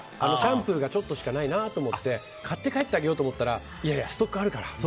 シャンプーちょっとしかないなと思って買って帰ってあげようと思ったらいやいや、ストックあるから。